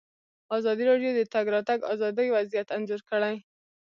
ازادي راډیو د د تګ راتګ ازادي وضعیت انځور کړی.